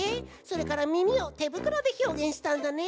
それからみみをてぶくろでひょうげんしたんだね。